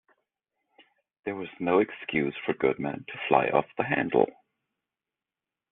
There was no excuse for Goodman to fly off the handle.